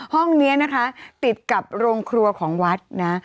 ห้องนี้นะคะติดกับโรงครัวของวัดนะ